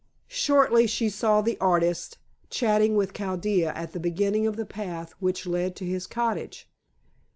Shortly she saw the artist chatting with Chaldea at the beginning of the path which led to his cottage.